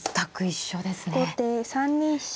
後手３二飛車。